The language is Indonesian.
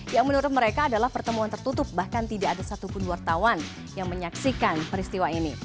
yang menurut mereka adalah pertemuan tertutup bahkan tidak ada satupun wartawan yang menyaksikan peristiwa ini